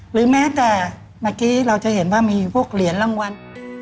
หรือแม้แต่เมื่อกี้เราจะเห็นว่ามีพวกเหรียญรางวัล